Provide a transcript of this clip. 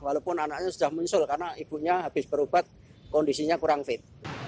walaupun anaknya sudah muncul karena ibunya habis berobat kondisinya kurang fit